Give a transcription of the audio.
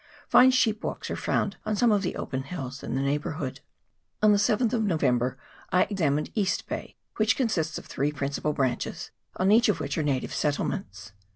Fine sheep walks are found on some of the open hills in the neighbourhood. On the 7th of November I examined East Bay, which consists of three principal branches, on each of which are native settlements.